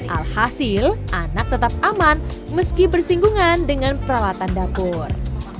alhasil anak tetap aman meski bersinggungan dengan peralatan dapur